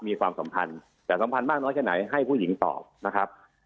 มีความสำคัญแต่สำคัญมากน้อยแค่ไหนให้ผู้หญิงตอบนะครับ